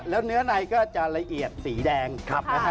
แล้วเนื้อในก็จะละเอียดสีแดง